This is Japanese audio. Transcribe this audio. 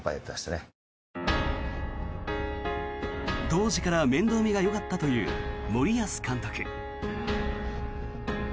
当時から面倒見がよかったという森保監督。